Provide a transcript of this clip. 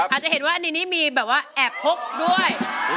อาจจะเห็นว่าอันนี้มีแบบว่าแอบพกด้วย